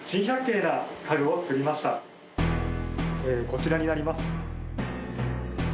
こちらになります。